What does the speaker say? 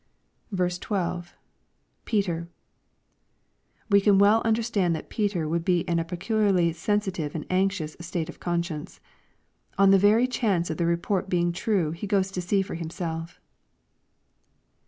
12. — [Peter.] We can well understand that Peter would be in a pe culiarly sensitive and anxious state of conscience. On the very chance of the report being true he goes to see for liimself.